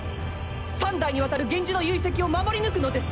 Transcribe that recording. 三代にわたる源氏の遺跡を守り抜くのです。